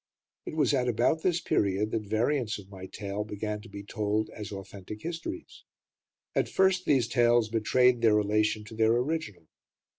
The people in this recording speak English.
It was at about this period that variants of my tale began to be told as authentic histories. At first, these tales betrayed their relation to their original.